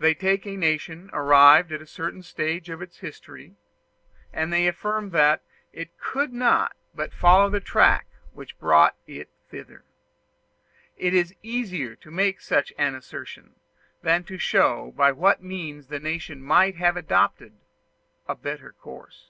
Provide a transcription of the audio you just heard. They take a nation arrived at a certain stage of its history, and they affirm that it could not but follow the track which brought it thither. It is easier to make such an assertion than to show by what means the nation might have adopted a better course.